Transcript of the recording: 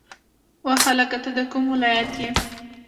وا هلکه ته د کوم ولایت یی